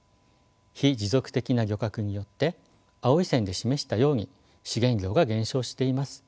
非持続的な漁獲によって青い線で示したように資源量が減少しています。